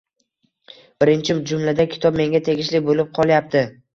Birinchi jumlada kitob menga tegishli boʻlib qolyapti